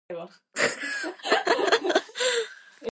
Para vertebral granules linearly arranged.